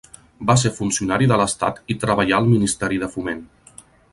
Va ser funcionari de l'Estat i treballà al Ministeri de Foment.